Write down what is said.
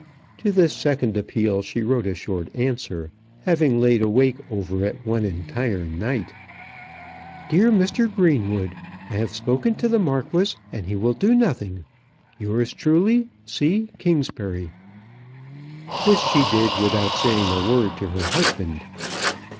To this second appeal she wrote a short answer, having laid awake over it one entire night. DEAR MR. GREENWOOD I have spoken to the Marquis, and he will do nothing. Yours truly, C. KINGSBURY. This she did without saying a word to her husband.